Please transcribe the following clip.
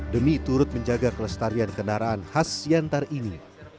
demi turut menjaga kelestarian kendaraan khas siantar ini